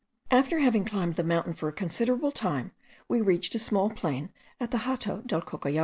After having climbed the mountain for a considerable time, we reached a small plain at the Hato del Cocollar.